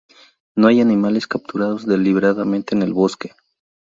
No hay animales capturados deliberadamente en el bosque.